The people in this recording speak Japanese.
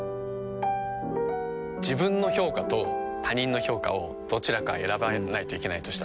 自分の評価と他人の評価をどちらか選ばないといけないとしたら？